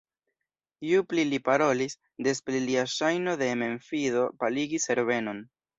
Ju pli li parolis, des pli lia ŝajno de memfido paligis Herbenon.